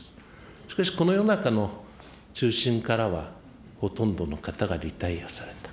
しかしこの世の中の中心からは、ほとんどの方がリタイアされた。